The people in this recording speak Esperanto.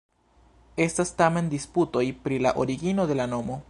Estas tamen disputoj pri la origino de la nomo.